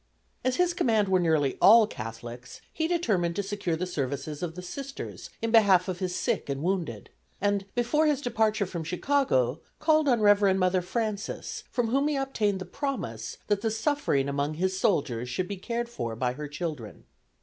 As his command were nearly all Catholics be determined to secure the services of the Sisters in behalf of his sick and wounded, and, before his departure from Chicago, called on Reverend Mother Frances, from whom he obtained the promise that the suffering among his soldiers should be cared for by her children.